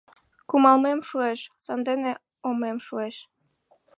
кумалмем шуэш, сандене омем шуэш.